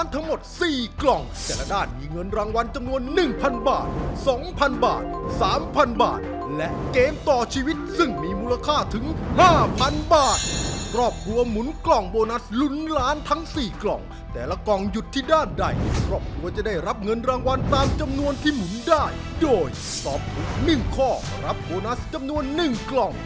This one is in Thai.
ตอบถูก๑กล่องตอบถูก๒ข้อรับโบนัสจำนวน๒กล่อง